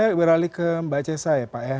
saya beralih ke mbak cesa ya pak ya